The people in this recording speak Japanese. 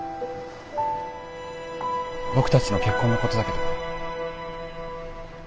僕たちの結婚のことだけど。